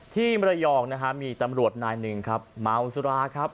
มรยองนะฮะมีตำรวจนายหนึ่งครับเมาสุราครับ